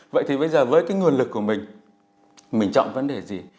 vậy thì bây giờ với cái nguồn lực của mình mình chọn vấn đề gì